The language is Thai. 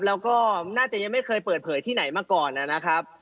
แล้วก็น่าจะยังไม่เคยเปิดเผยที่ไหนมาก่อนนะครับ